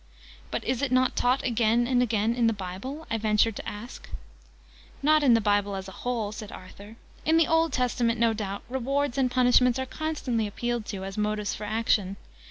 "But is it not taught again and again in the Bible?" I ventured to ask. "Not in the Bible as a whole," said Arthur. "In the Old Testament, no doubt, rewards and punishments are constantly appealed to as motives for action.